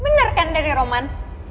bener kan dari roman